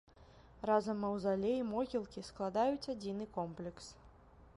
Разам маўзалей і могілкі складаюць адзіны комплекс.